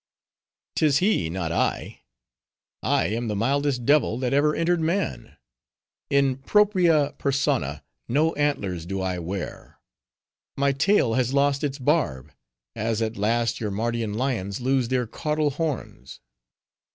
"'Tis he, not I. I am the mildest devil that ever entered man; in propria persona, no antlers do I wear; my tail has lost its barb, as at last your Mardian lions lose their caudal horns."